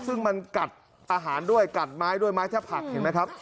ซึ่งมันกัดอาหารด้วยกัดไม้ด้วยไม้แค่ผักเห็นไหมครับ